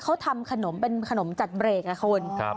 เขาทำขนมเป็นขนมจัดเบรกอ่ะคุณ